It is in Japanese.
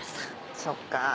そっか。